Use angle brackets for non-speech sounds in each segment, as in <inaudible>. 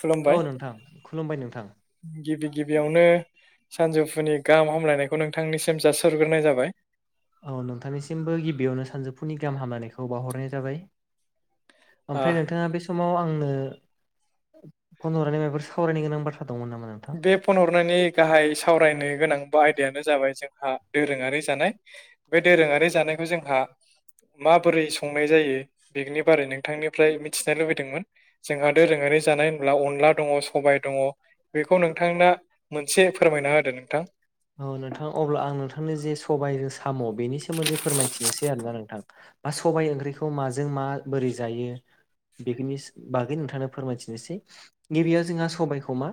खुलुमबाय औ नोंथां खुलुमबाय नोंथां गिबि गिबियावनो सानजौफुनि गाहाम हामलायनायखौ नोंथांनिसिम जासिहरग्रोनाय जाबाय औ नोंथांनिसिमबो गिबियावनो सानजौफुनि गाहाम हामलायनायखौ बावहरनाय जाबाय ओ ओमफ्राय नोंथाङा बे समाव आंनो फन हरनानै माबाफोर सावरायनो गोनां बाथ्रा दंमोन नामा नोंथां फन'हरनायनि गाहाय सावरायनो गोनां बा आयदायानो जाबाय जोंहा दोरोङारि जानाय बे दोरोङारि जानायखौ जोंहा माबोरै संनाय जायो बेनि बारै नोंथांनिफ्राय मिथिनो लुबैदोंमोन जोंहा दोरोङारि जानाय होनब्ला अनला दङ सबाय दङ बेखौ नोंथांना मोनसे <unintelligible> फोरमायना होदो नोंथां औ नोंथां अब्ला आं नोंथांनि जे सबायाइजों साम' बेनि सोमोन्दै फोरमायथिनोसै आरोना नोंथां बा सबाय ओंख्रिखौ माजों मा बोरै जायो बेखनि बागै नोंथांनो फोरमायथिनोसै गिबियाव जोंहा सबायखौ मा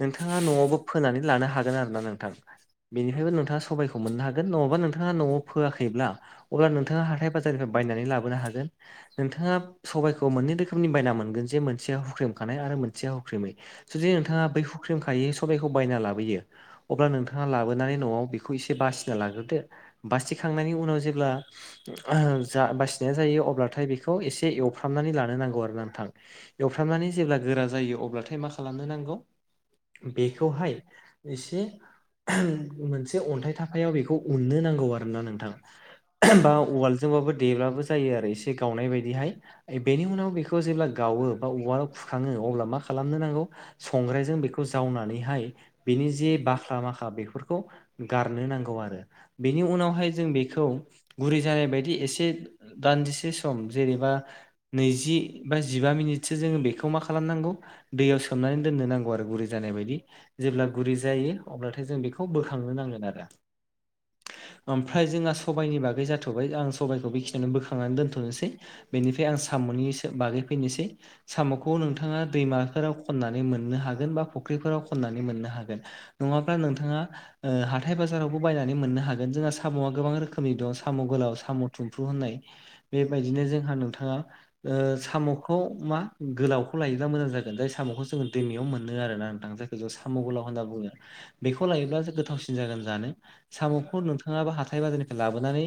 नोंथाङा न'आवबो फोनानै लानो हागोन आरो ना नोंथां बेनिफ्रायबो नोंथाङा सबाइखौ मोननो हागोन नङाबा नोंथांङा न'आव फोआखैब्ला अब्ला नोंथाङा हाथाय बाजारनिफ्राय बायनानै लाबोनो हागोन नोंथाङा सबाइखौ मोननै रोखोमनि बायना मोन गोन मोनसेया हुख्रेम खानाय आरो मोनसेया हुख्रेमै जुदि नोंथाङा बै हुख्रेम खायै सबायखौ बायना लाबोयो अब्ला नोंथाङा लाबोनानै न'आव बेखौ एसे बासिना लाग्रोदो बासिखांनायनि उनाव जेब्ला जा बासिनाय जायो अब्लाथाय बेखौ एसे एवफ्रामनानै लानो नांगौ आरो नोंथां एवफ्रामनानै जेब्ला गोरा जायो अब्लाथाय मा खालामनो नांगौ बेखौहाय एसे मोनसे अन्थाइ थाफायाव बेखौ उननो नांगौ आरोना नोंथाङा। बा उवालजोंबाबो देब्लाबो जायो आरो एसे गावनाय बायदिहाय बेनि उनाव बेखौ। जेब्ला गावो बा उवालाव फुखाङो अब्ला मा खालामनो नांगौ संग्रायजों बेखौ जावनानै। हाय बिनि जे बाख्रा माखा बेफोरखौ गारनो नांगौ आरो। बेनि उनावहाय जों बेखौ गुरै जानाय बायदि एसे। दान्दिसे सम जेनेबा नैजि बा जिबा मिनिटसो जोङो बेखौ मा खालामनांगौ दैयाव सोमनानै दोननो नांगौ आरो गुरै जानाय बायदि। जेब्ला गुरै जायो अब्लाथाय जों बेखौ बोखांनो नांगोन आरो। ओमफ्राय जोंहा सबायाइनि बागै जाथ'बाय आं सबाइखौ बेखिनियावनो बोखांनानै दोनथ'नोसै। बेनिफ्राय आं साम'नि बागै फैनोसै साम'खौ नोंथाङा। दैमाफोराव खननानै मोननो हागोन बा फख्रि। खननानै मोननो हागोन नङाब्ला नोंथाङा। ओ हाथाय बाजारावबो बायनानै मोननो हागोन जोंहा साम'आ गोबां रोखोमनि दं साम' गोलाव साम' थुम्फु होननाय। बेबायदिनो जोंहा नोंथाङा ओ साम'खौ‌ मा गोलावखौ लायोब्ला मोजां जागोन। जाय साम'खौ जोङो दैमायाव मोनो आरोना नोंथां जायखौ जों साम' गोलाव होनना बुङो। बेखौ लायोब्लासो गोथावसिन जागोन जानो साम'खौ नोंथाङाबो हाथाय बाजारनिफ्राय लाबोनानै।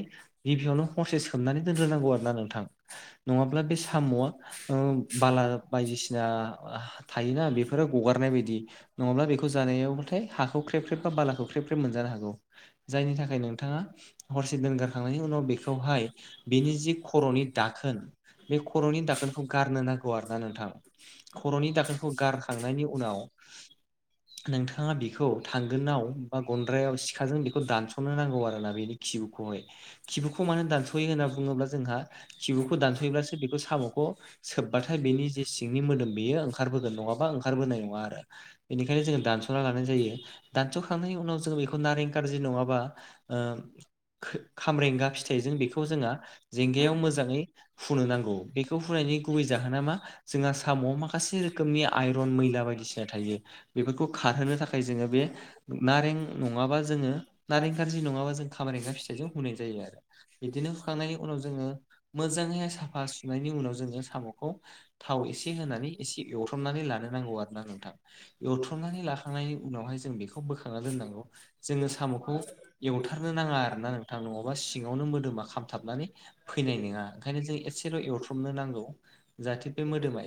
गिबियावनो हरसे सोमनानै दोनग्रोनांगौ आरो ना नोंथां। नङाब्ला बे साम'आ ओ बाला बायदिसिना। थायोना बेफोरो गगारनाय बायदि। नङाब्ला बेखौ जानायावब्लाथाय हाखौ ख्रेब ख्रेब बा बालाखौ ख्रेब ख्रेब मोनजानो हागौ। जायनि थाखाय नोंथाङा हरसे दोनगारखांनायनि उनाव बेखौहाय बिनि जि। खर'नि दाखोन बे खर'नि दाखोनखौ गारनो नांगौ आर ना नोंथां। खर'नि दाखोनखौ गारखांनायनि उनाव। नोंथाङा बेखौ थांगोनाव बा गन्द्रायाव सिखाजों बेखौ दानस'नो नांगौ आरोना बेनि। खिबुखौहाय खिबुखौ मानो होन दानस'यो होनना बुङोब्ला जोंहा। खिबुखौ दानस'योब्लासो बेखौ साम'खौ। सोबबाथाय बेनि जे सिंनि मोदोम बेयो ओंखारबोगोन नङाबा ओंखारबोनाय नङा आरो। बेनिखायनो जोङो दानस'ना लानाय जायो दानस'खांनायनि उनाव जोङो बेखौ नारें, कारजि नङाबा। खामरेंगा फिथाइजों बेखौ जोहा। जेंगायाव मोजाङै फुनो नांगौ बेखौ फुनायनि गुबै जाहोना मा जोंहा साम'आव माखासे। माखासे रोखोमनि आइरन मैला बायदिसिना थायो बेफोरखौ खारहोनो थाखाय जोङो बे। नारें नङाबा जोङो नारें कारजि नङाबा जों खामारेंगा फिथाइजों हुनाय जायो आरो। बिद्बिनो हुखांनायनि उनाव जोङो मोजाङै साफा सुनायनि उनाव जोङो साम'खौ। थाव एसे होनानै एसे एवफ्र्रामनानै लानो नांगौ आरो ना नोंथां। दौथुमनानै लाखांनायनि उनावहाय जों बेखौ बोखांना दोननांगौ। जोङो साम'खौ एवथारनो नाङा आरोना नोंथां नङाबा सिङावनो मोदोमा खामथाबनानै। फैनाय नङा ओंखायनो जों एसेल' एवथ्रबनो नांगौ जाहाथे बे मोदोमै।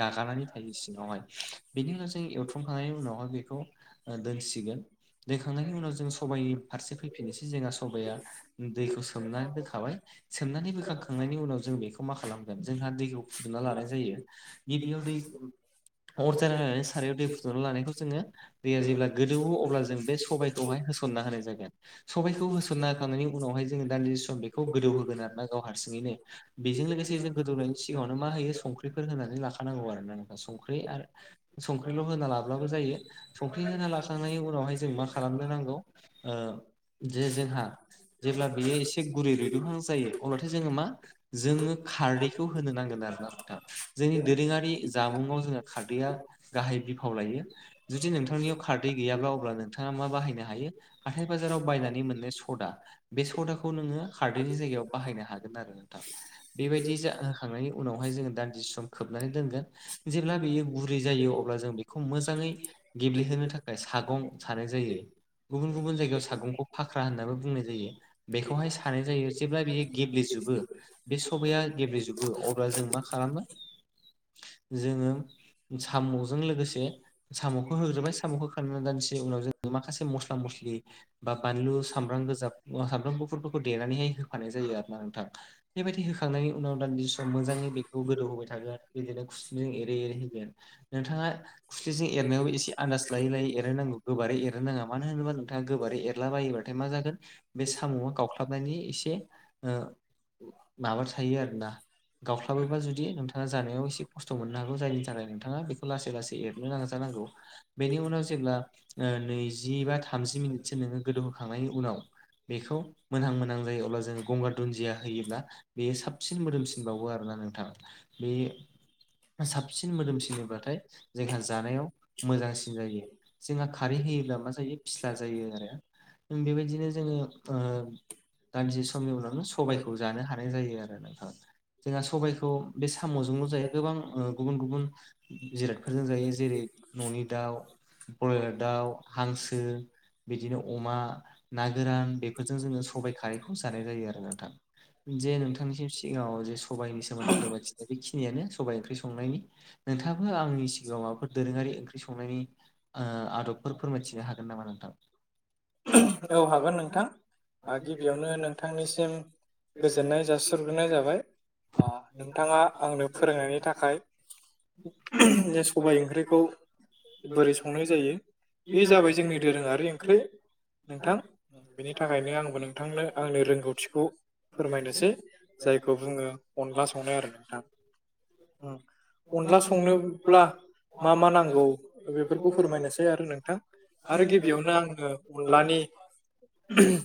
गागानानै थायो सिङावहाय बेनि उनाव जोंङो। उनावहाय बेखौ दोनसिगोन। दैखांनायनि उनाव जों सबायाइनि फारसे फैफिनोसै जोंहा सबाया दैखौ सोमनानै दोनखाबाय। सोमनानै बोखांखांनायनि उनाव जों बेखौ मा खालामगोन जोंहा दैखौ फुदुंना लानाय जायो। बिबिआव अर जालायनानै सारायाव। फुदुंना लानायखौ जोङो दैया जेब्ला गोदौवो अब्ला जों बे सबायखौहाय होसनना होनाय जागोन। सबायखौ होसनना होखांनायनि उनावहाय जोङो दान्दिसे सम बेखौ गोदौ होगोन आरोना गाव हारसिङैनो। बेजों लोगोसे जों गोदौनायनि सिगाङावनो। मा होयो संख्रिफोर होनानै लाखानांगौ आरो ना नोंथां संख्रि आरो संख्रिल'। होना लाब्लाबो जायो संख्रि होना लाखांनायनि उनावहाय जों मा खालामनो नांगौ ओ। जे जोंहा जेब्ला बियो एसे गुरै रुदुंहां जायो अब्लाथाय जोङो मा। जोङो खारैखौ होनो नांगोन आरोना नोंथां। जोंनि दोरोङारि जामुंङाव जोंहा खारदैया गाहाय बिफाव लायो। जुदि नोंथांनियाव खारदै गैयाब्ला अब्ला नोंथाङा मा बाहायनो हायो। हाथाय बाजाराव बायनानै मोननाय सटआ बे सदाखौ नोङो खारदैनि जायगायाव बाहायनो हागोन आरो नोंथां। बेबायदि जाहोखांनायनि उनावहाय जोङो दान्दि सम खोबनानै दोनगोन जेब्ला बेयो गुरै जायो अब्ला जों बे मोजाङै गेब्लेहोनो थाखाय सागं सानाय जायो गुबुन गुबुन जायगायाव सागंखौ फाख्रा होननानैाबो बुंनाय जायो बेखौहाय सानाय जायो जेब्ला बियो गेब्लेजोबो बे सबाया गेब्लेजोबो अब्ला जों मा खालामो जोङो साम'जों लोगोसे साम'खौ होग्रोबाय साम'खौ हो खांनानै दानसे उनाव जोङो माखासे मस्ला मस्लि बा बानलु सामब्राम गोजा सामब्राम गुफुरफोरखौ देनानैहाय होफानाय जायो आरो ना नोंथां। बेबायदि होखांनायनि उनाव दा जि सम मोजाङै बेखौ गोदौ होबाय थागो आरो। बिदिनो खुस्लिजों एरै एरै हो गोन नोंथाङा खुस्लिजों एरनायावबो ए एसे आनन्दाज लायै लायै एरोनांगौ गोबारै एरनो नाङा मानो होनोब्ला नोंथाङा गोबारै एरला बायोबाथाय मा जागोन। बे साम'आ गावख्लाबनायनि एसे माबा थायो आरोना गावस्लाबोबा जुदि नोंथाङा जानायाव एसे खस्थ' मोननो हागौ जायनि थाखाय नोंथाङा बेखौ लासै लासै एरनो नाजानांगौ। बेनि उनाव जेब्ला नैजि बा थामजि मिनिटसो नोङो गोदौहोखांनायनि उनाव बेखौ मोनहां मोनहां जायो अब्ला जोङो गंगार दुन्दिया होयोब्ला। बेयो साबसिन मोदोमसिन बावो आरोना नोंथाङा बे साबसिन मोदोमसिलिबाथाय जोंहा जानायाव मोजांसिन जायो जोंहा खारै होयोब्ला मा जायो फिस्ला जायो आरो। बेबायदिनो जोङो दानसे समनि उनावनो सबायखौ जानो हानाय जायो आरो नोंथां। जोंहा सबायखौ बे साम'जोंल' जाया गोबां गुबुन गुबुन फोरजों जायो जेरै न'नि दाउ ब्रयलार दाउ हांसो बिदिनो अमा ना गोरान बेफोरजों जोङो सबाय खारैखौ जानाय जायो आरो नोंथां। जे नोंथांनिसिम सिगाङाव जे सबाइनि सोमोन्दै फोरमायथिनाय बेखिनियानो सबाइ ओंख्रि संनायनि नोंथाङाबो आंनि सिगाङाव माबाफोर दोरोङारि ओंख्रि संनायनि आदबफोर फोरमायथिनो हागोन नामा नोंथां? औ हागोन नोंथां। गिबियावनो नोंथांनिसिम गोजोननाय जासि हरग्रोनाय जाबाय। नोंथाङा आंनो फोरोंनायनि थाखाय। सबाइ ओंख्रिखौ बोरै संनाय जायो बे जाबाय जोंनि दोरोङारि ओंख्रि नोंथां बेनि थाखायनो आंबो नोंथांनो आंनि रोंगौथिखौ फोरमायनोसै जायखौ बुङो अनला संनाय आरो नोंथां। अनला संनोब्ला मा मा नांगौ बेफोरखौ फोरमायनोसै आरो नोंथां। आरो गिबियावनो आङो अनलानि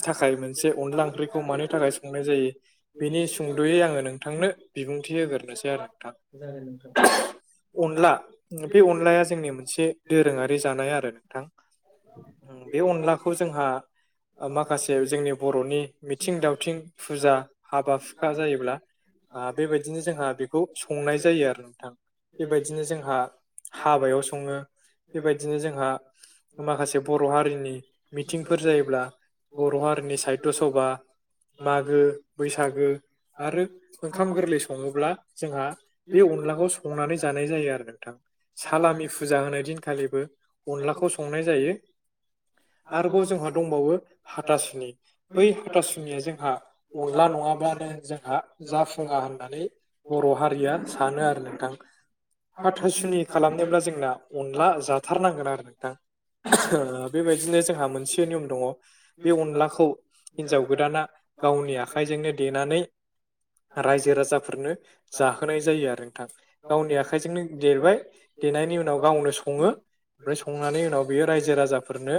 थाखाय मोनसे अनला ओंख्रिखौ मानि थाखाय संनाय जायो। बिनि सुंद'यै आङो नोंथांनो बिबुंथि होग्रोसै आरो। नोंथां जागोन नोंथां। अनला बे अनलाया जोंनि मोनसे दोरोङारि जानाय आरो नोंथां। बे अनलाखौ जोंहा माखासे जोंनि बर'नि मिथिं दावथिं फुजा हाबा हुखा जायोब्ला बेबायदिनो जोंहा बेखौ संनाय जायो आरो नोंथां बेबायदिनो जोंहा हाबायाव सङो बेबायदिनो जोंहा माखासे बर' हारिनि मिथिंफोर जायोब्ला बर' हारिनि साहित्य सभा मागो बैसागो आरो ओंखाम गोरलै सङोब्ला जोंहा बे अनलाखौ संनानै जानाय जायो आरो नोंथां सालामि फुजा होनाय दिनखालिबो अनलाखौ संनाय जायो आरोबाव जोंहा दंबावो हाथासुनि बै हाथासुनिया जोंहा अनला नङाब्लानो जोंहा जाफुङा होननानै बर' हारिया सानो आरो नोंथां। हाथासुनि खालामनोब्ला जोंना अनला जाथारनांगोन आरो नोंथां। बेबायदिनो जोंहा मोनसे नियम दङ बे अनलाखौ हिनजाव गोदाना गावनि आखाइजोंनो देनानै रायजो राजाफोरनो जाहोनाय जायो आरो नोंथां गावनि आखाइ देरबाय देनायनि उनाव गावनो संङो ओमफ्राय संनानै उनाव बियो रायजो राजाफोरनो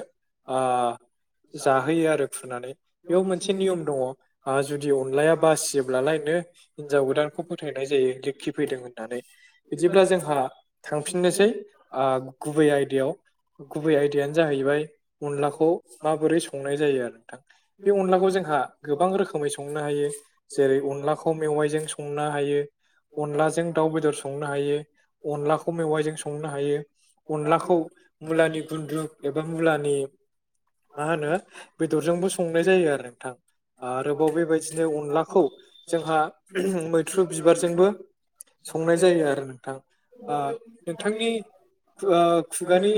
जाहोयो आरो फुनानै बेयाव मोनसे नियम दङ जुदि अनलाया बासियोब्लालाय नो हिनजाव गोदानखौ फोथायनाय जायो लखि फैदों होननानै बिदिब्ला जोंहा थांफिननोसै गुबै आयदायाव गुबै आयदायानो जाहैबाय अनलाखौ माबोरै संनाय जायो आरो नोंथां बे अनलाखौ जोंहा गोबां रोखोमै संनो हायो जेरै अनलाखौ मेवाइजों सं संनो हायो अनलाजों दाउ बेदर संनो हायो अनलाखौ मेवाइजों संनो हायो अनलाखौ मुलानि गुन्द्रुुब एबा मुलानि मा होनो बेदरजोंबो संनाय जायो आरो नोंथां आरोबाव बेबायदिनो अनलाखौ जोंहा मैथ्रु बिबारजोंबो संनाय जायो आरो नोंथां नोंथांनि खुगानि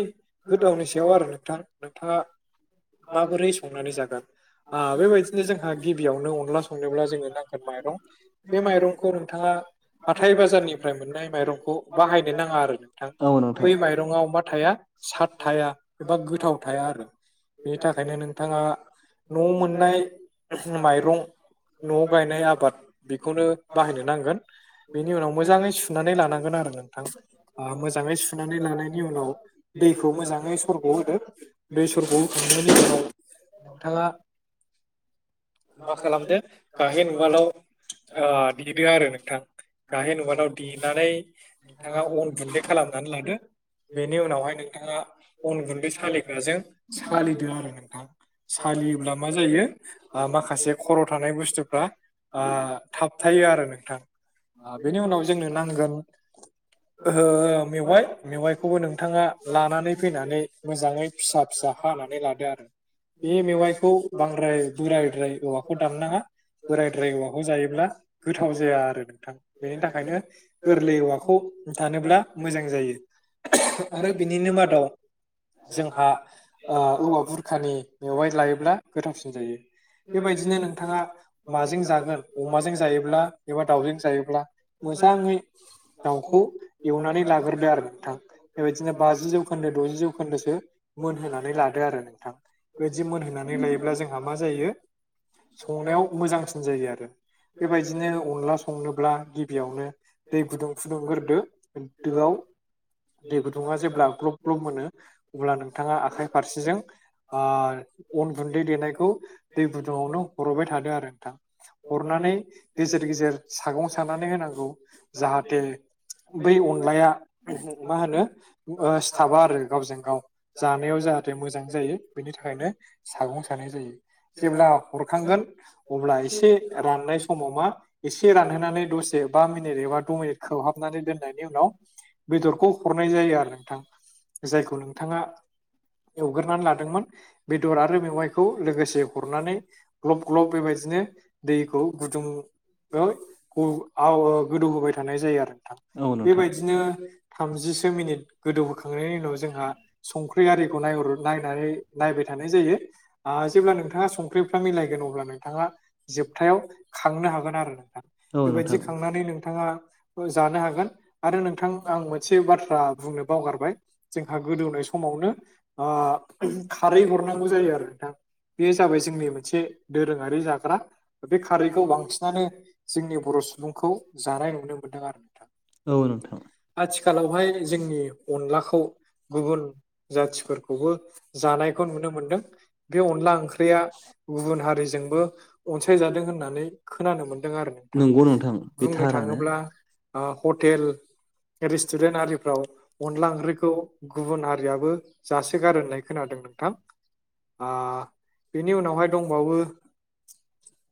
गोदावनि सायाव आरो नोंथां नोंथाङा माबोरै <unintelligible> संनानै जागोन बेबायदिनो जोंहा गिबियावनो अनला संनोब्ला जोंङो नांगोन माइरं <inaudible> बे माइरंखौ नोंथाङा हाथाय बाजारनि फ्राय मोननाय माइरंखौ बाहायनो नाङा आरो नोंथां औ बै माइरंआव मा थाया सााद थाया एबा गोथाव थाया आरो बेनि थाखायनो नोंथाङा न' मोननाय माइरं न' गायनाय आबाद बेखौनो बाहायनो नांगोन बेनि उनाव मोजाङै सुनानै लानांगोन आरो नोंथां मोजाङै सुनानै लानायनि उनाव दैखौ मोजाङै सरग होदो दै सरग होखांनायनि उनाव मा नोंथाङा मा खालामदो गाहेन नुवादाव देदो आरो नोंथां गाहेन नुवादाव देनानै नोंथाङा अन गुन्दै खालामनानै लादो बेनि उनावहाय नोंथाङा अन गुन्दै सालिग्राजों सालिदो आरो नोंथां सालियोब्ला मा जायो माखासे खर' थानाय बुस्थुफ्रा थाब होथायो आरो नोंथां बेनि उनाव जोंनो नांगोन ओ मेवाइ मेवाइखौबो नोंथाङा लानानै फैनानै मोजाङै फिसा फिसा हानानै लादो आरो बे मेवाइखौ बांद्राय बोरायद्राय औवाखौ दाननो नाङा बोरायद्राय मवाखौ जायोब्ला गोथाव जाया आरो नोंथां बेनि थाखायनो गोरलै औवाखौ थानोब्ला मोजां जायो आरो बिनिनो मादाव जोंहा औवा बुरखानि मवहाय लायोब्ला गोथावसिन जायो बेबायदिनो नोंथाङा माजों जागोन अमाजों जायो अला एबा दाावजों जायोब्ला मोजाङै दाउखौ एवनानै लाग्रोदो आरो नोंथां बेबायदिनो बाजि जौखोन्दो द'जि जौखोन्दोसो मोनहोनानै लादो आरो नोंथां बेदि मोनहोनानै लायोब्ला जोंहा मा जायो संनायाव मोजांसिन जायो आरो बेबायदिनो अनला संनोब्ला गिबियावनो दै गुदुं फुदुंग्रोदो दोआव दै गुदुङा जेब्ला ग्लब ग्लब मोनो अब्ला नोंथाङा आखाइ फारसेजों ओ अन गुन्दै देनायखौ दै गुदुङावनो हरबाय थादों आरो नोंथां हरनानै गेजेर गेजेर सागं सानानै होनांगौ जाहाथे बै अनलाया मा होनो ओ सिथाबा आरो गावजों गाव जानायाव जाहाथे मोजां जायो बेनि थाखायनो सागं सानाय जायो जेब्ला हरखांगोन अब्ला एसे राननाय समाव अमा एसे रानहोनानै दसे बा मिनित खोबहाबनानै दोननायनि उनाव बेदरखौ हरनाय जायो आरो नोंथां जायखौ नों थाङा एवग्रोनानै लादोंमोन बेदर आरो मेवाइखौ लोगोसे हरनानै ग्लब ग्लब बेबायदिनो दैखौ गुदुं ओ गौ आव गोदौ होबाय थानाय जायो आरो नोंथां बेबायदिनो थामजिसो मिनिट गोदौहोखांनायनि उनाव जोंहा संख्रि आरिखौ नायहर नायनानै नायबाय थानाय जायो ओ जेब्ला नोंथाङा संख्रिफ्रा मिलायगोन अब्ला नों थाङा जोबथायाव खांनो हागोन आरो नोंथां औ बेबायदि नोंथां खांनानै नोंथां थाङा बो जानो हागोन आरो नोंथां आं मोनसे बाथ्रा बुंनो बावगारबाय जोंहा गोदौनाय समावनो ओ खारै हरनांगौ जायो आरो नोंथां बे जाबाय जोंनि मोनसे दोरोङारि जाग्रा बे खारै खौ बांसिनानो जोंनि बर' सुबुंखौ जानाय नुनो मोनदों आरो नोंथां औ ओम नोंथां। आथिखालावहाय जोंनि अनलाखौ गुबुन जाथिफोरखौबो जानायखौ नुनो मोनदों बे अनला ओंख्रिया गुबुन हारिजोंबो अनसायजादों होन होननानै खोनानो मोन्दों आरो नोंथां बुंनो थाङोब्ला ओ हटेल रेस्टुरेन्ट आरिफ्राव अनला ओंख्रिखौ गुबुन हारियाबो जासोगारो होननाय खोनादों नों थां ओ बेनि उनावहाय दंबावो